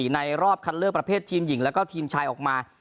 ในรอบคัดเลือกประเภททีมหญิงแล้วก็ทีมชายออกมา